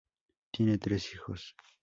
Tienen tres hijos.